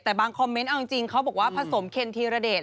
แต่บางคอมเมนต์เอาจริงเขาบอกว่าผสมเคนธีรเดช